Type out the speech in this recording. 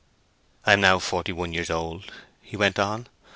"I am now forty one years old," he went on.